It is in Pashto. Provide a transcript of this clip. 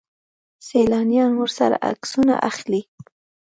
سیلانیان ورسره عکسونه اخلي.